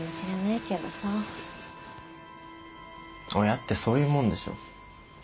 親ってそういうもんでしょ。